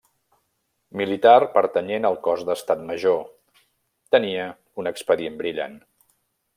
Militar pertanyent al cos d'Estat Major, tenia un expedient brillant.